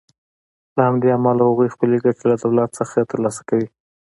له همدې امله هغوی خپلې ګټې له دولت نه تر لاسه کوي.